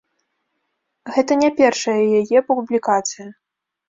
Гэта не першая яе публікацыя.